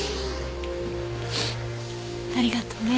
ありがとね。